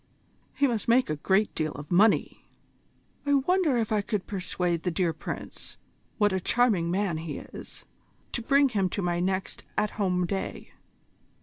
"He must make a great deal of money!" "I wonder if I could persuade the dear Prince what a charming man he is! to bring him to my next At Home day?"